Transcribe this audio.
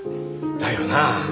だよなあ。